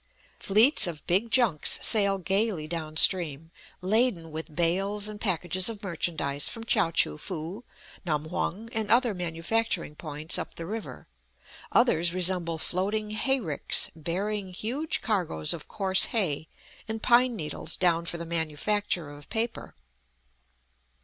Fleets of big junks sail gayly down stream, laden with bales and packages of merchandise from Chao choo foo, Nam hung, and other manufacturing points up the river. Others resemble floating hay ricks, bearing huge cargoes of coarse hay and pine needles down for the manufacture of paper.